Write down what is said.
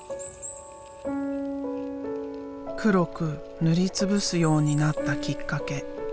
黒く塗りつぶすようになったきっかけ。